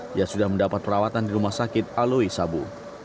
dia sudah mendapat perawatan di rumah sakit aloi sabu